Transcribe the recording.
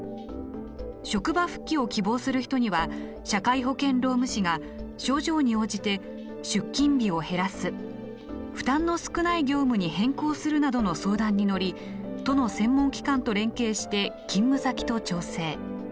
職場復帰を希望する人には社会保険労務士が症状に応じて出勤日を減らす負担の少ない業務に変更するなどの相談に乗り都の専門機関と連携して勤務先と調整。